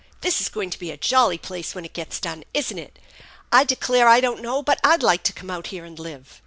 " This is going to be a jolly place when it gets done, isn't it? I declare I don't know but I'd like to come out here and live."